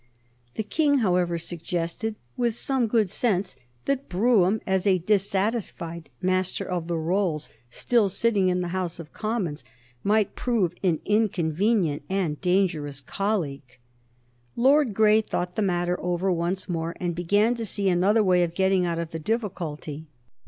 The King, however, suggested, with some good sense, that Brougham as a dissatisfied Master of the Rolls still sitting in the House of Commons might prove an inconvenient and dangerous colleague. Lord Grey thought the matter over once more, and began to see another way of getting out of the difficulty.